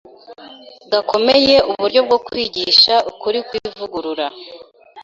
gakomeye uburyo bwo kwigisha ukuri kw’ivugurura